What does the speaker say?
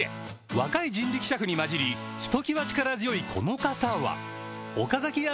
若い人力車夫に交じりひときわ力強いこの方は岡崎屋